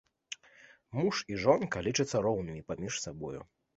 Муж і жонка лічацца роўнымі паміж сабою.